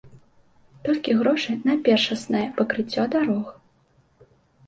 Толькі грошы на першаснае пакрыццё дарог.